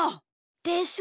でしょ？